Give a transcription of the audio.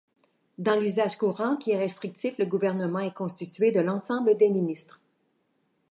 Dans l'usage courant, qui est restrictif, le gouvernement est constitué de l'ensemble des ministres.